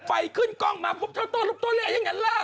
ไฟขึ้นกล้องมาปุ๊บโต๊ะลุบโต๊ะเละอย่างนั้นล่ะ